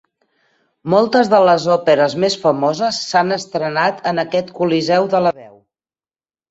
Moltes de les òperes més famoses s'han estrenat en aquest coliseu de la veu.